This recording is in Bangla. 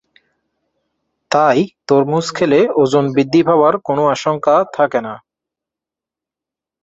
তাই তরমুজ খেলে ওজন বৃদ্ধি পাওয়ার কোনো আশঙ্কা থাকে না।